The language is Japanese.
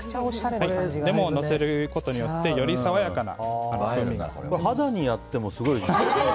レモンをのせることによってより爽やかな肌にやってもすごい。